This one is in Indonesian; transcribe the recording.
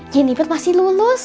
jeniper masih lulus